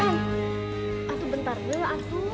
aku bentar dulu aku